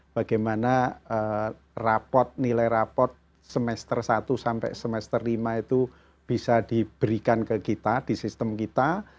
bagaimana rapot nilai raport semester satu sampai semester lima itu bisa diberikan ke kita di sistem kita